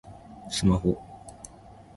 スマホ